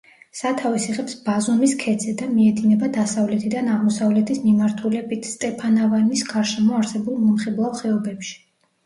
სათავეს იღებს ბაზუმის ქედზე და მიედინება დასავლეთიდან აღმოსავლეთის მიმართულებით, სტეფანავანის გარშემო არსებულ მომხიბლავ ხეობებში.